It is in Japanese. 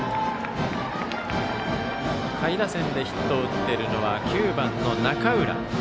下位打線でヒットを打っているのは９番の中浦。